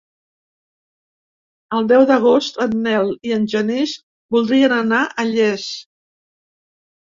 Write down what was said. El deu d'agost en Nel i en Genís voldrien anar a Llers.